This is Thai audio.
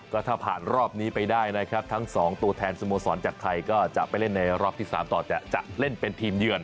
ก็ถ้าผ่านรอบนี้ไปได้นะครับทั้งสองตัวแทนสโมสรจากไทยก็จะไปเล่นในรอบที่๓ต่อจะเล่นเป็นทีมเยือน